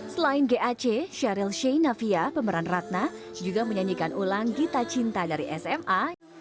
selain gac sheryl shane navia pemeran ratna juga menyanyikan ulang gita cinta dari sma